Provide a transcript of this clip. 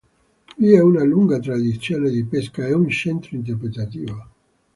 Vi è una lunga tradizione di pesca e un centro interpretativo.